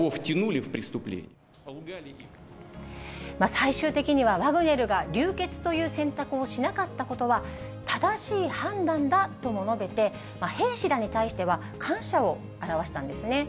最終的にはワグネルが流血という選択をしなかったことは、正しい判断だとも述べて、兵士らに対しては、感謝を表したんですね。